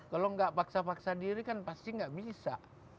kalau tidak paksa paksa diri kan pasti tidak bisa